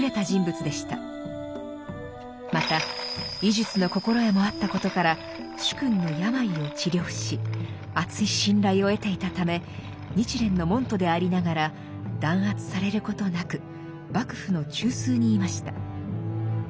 また医術の心得もあったことから主君の病を治療しあつい信頼を得ていたため日蓮の門徒でありながら弾圧されることなく幕府の中枢にいました。